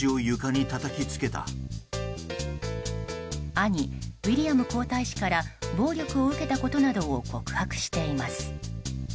兄ウィリアム皇太子から暴力を受けたことなどを告白しています。